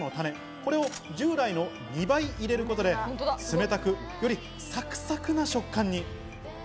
これを従来の２倍入れることで、冷たく、よりサクサクな食感に。